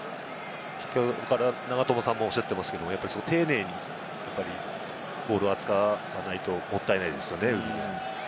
先ほどから永友さんも言っていますけど、丁寧にボールを扱わないともったいないですよね。